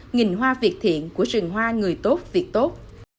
nghìn hoa việc thiện của rừng hoa người tốt việc tốt